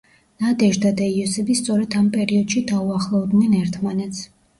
ნადეჟდა და იოსები სწორედ ამ პერიოდში დაუახლოვდნენ ერთმანეთს.